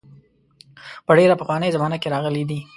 په ډېره پخوانۍ زمانه کې راغلي دي.